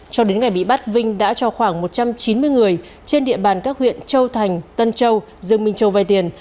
cho đến ngày bị bắt vinh đã cho khoảng một trăm chín mươi người trên địa bàn các huyện châu thành tân châu dương minh châu vai tiền